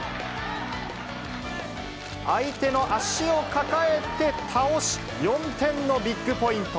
相手の足を抱えて、倒し、４点のビッグポイント。